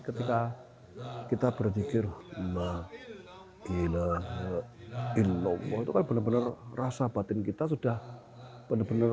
ketika kita berdikir maila ilah illallah bener bener rasa batin kita sudah bener bener